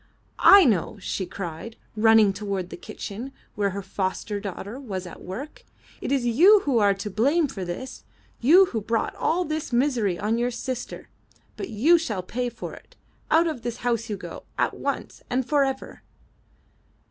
''I know/* she cried, running toward the kitchen where her foster daughter was at work. It is you who are to blame for this — you who brought all this misery on your sister. But you shall pay for it. Out of this house you go. At once and forever.''